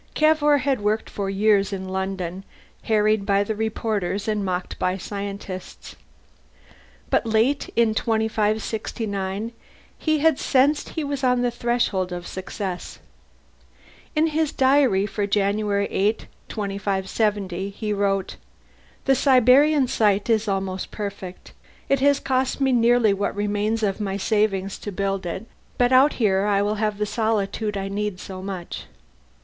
Cavour had worked for years in London, harried by reporters and mocked by scientists. But late in 2569 he had sensed he was on the threshold of success. In his diary for January 8, 2570, he wrote: "The Siberian site is almost perfect. It has cost me nearly what remains of my savings to build it, but out here I will have the solitude I need so much.